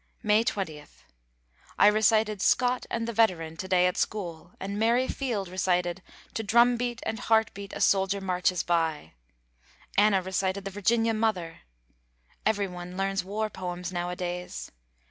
May 20. I recited "Scott and the Veteran" to day at school, and Mary Field recited, "To Drum Beat and Heart Beat a Soldier Marches By"; Anna recited "The Virginia Mother." Every one learns war poems nowadays.